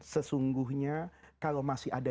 sesungguhnya kalau masih ada